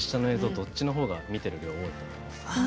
どっちの方が見てる量多いと思いますか？